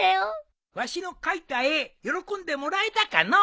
わしの描いた絵喜んでもらえたかのう？